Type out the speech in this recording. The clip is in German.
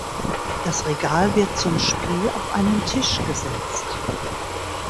Das Regal wird zum Spiel auf einen Tisch gesetzt.